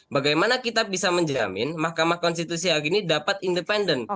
bagaimana kita bisa menjamin mahkamah konstitusi hari ini dapat independen